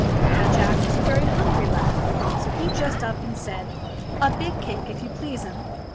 Now Jack was a very hungry lad, so he just up and said : "A big cake, if you please, 'm."